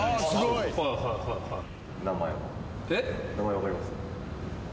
名前分かります？